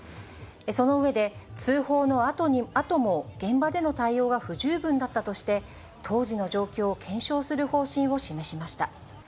その上で、通報のあとも現場での対応が不十分だったとして、当時の状況を検証する方針を示しました。